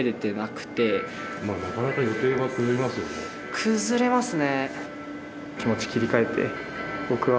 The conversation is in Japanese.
崩れますね。